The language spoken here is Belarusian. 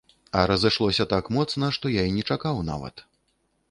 А разышлося так моцна, што я і не чакаў нават.